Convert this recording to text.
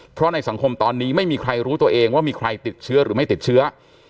เพราะในสังคมตอนนี้ไม่มีใครรู้ตัวเองว่ามีใครติดเชื้อหรือไม่ติดเชื้อ